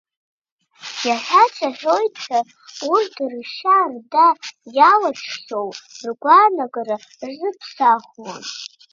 Иаҳәац аҳәоит ҳәа, урҭ ршьа-рда иалаҽхьоу ргәааанагара рзыԥсахуам.